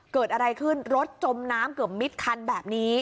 เกิดอะไรขึ้นรถจมน้ำเกือบมิดคันแบบนี้